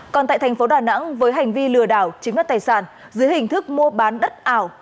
còn tại thành phố đà nẵng với hành vi lừa đảo chiếm đất tài sản dưới hình thức mua bán đất ảo